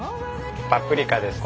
パプリカです。